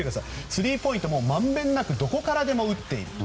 スリーポイントをまんべんなくどこからでも打っている。